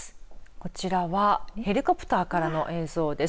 こちらはヘリコプターからの映像です。